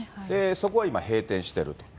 そこは今、閉店してると。